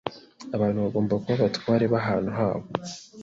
Abantu bagomba kuba abatware b'ahantu habo.